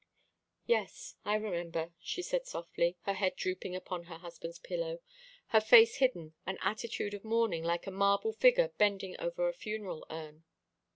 "Yes, I remember," she said softly, her head drooping upon her husband's pillow, her face hidden, an attitude of mourning, like a marble figure bending over a funeral urn.